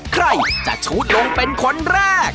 ใครจะชูดลงเป็นคนแรก